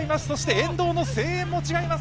沿道の声援も違います。